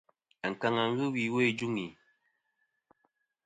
Ankaŋa wi iwo ijuŋi.